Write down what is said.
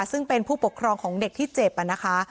ซึ่งเป็นผู้ปกครองของเด็กที่เจ็บนะคะ